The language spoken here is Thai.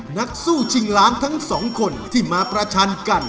นักสู้ชิงล้านทั้งสองคนที่มาประชันกัน